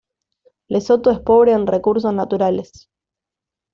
Lesoto es pobre en recursos naturales.